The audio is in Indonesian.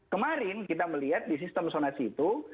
kemarin kita melihat di sistem zonasi itu